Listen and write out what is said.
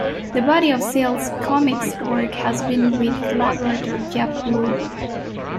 The body of Sale's comics work has been with collaborator Jeph Loeb.